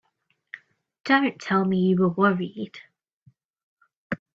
Don't tell me you were worried!